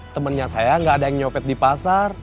temennya saya gak ada yang nyopet di pasar